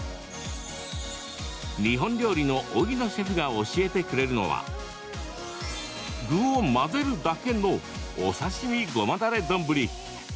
日本料理の荻野シェフが教えてくれるのは具を混ぜるだけのお刺身ごまだれ丼。